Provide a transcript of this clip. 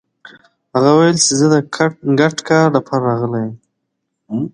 هغه ويل چې زه د ګډ کار لپاره راغلی يم.